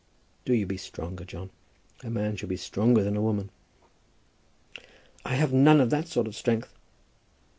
Do you be stronger, John. A man should be stronger than a woman." "I have none of that sort of strength."